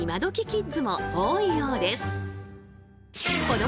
キッズも多いようです。